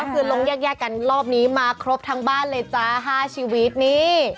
ก็คือลงแยกกันรอบนี้มาครบทั้งบ้านเลยจ้า๕ชีวิตนี่